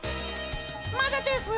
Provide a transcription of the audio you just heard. まだです！